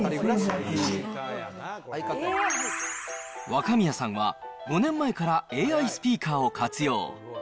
若宮さんは、５年前からＡＩスピーカーを活用。